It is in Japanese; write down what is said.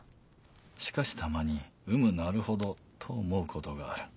しかしたまに「うむなるほど」と思うことがある。